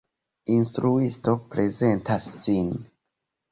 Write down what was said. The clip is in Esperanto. Instruisto prezentas sin.